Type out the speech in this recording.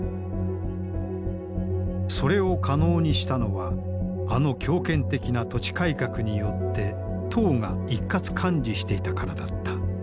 それを可能にしたのはあの強権的な土地改革によって党が一括管理していたからだった。